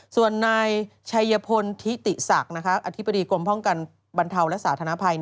ส่วนนายชัยพลทิติศักดิ์อธิบดีกรมป้องกันบรรเทาและสาธารณภัย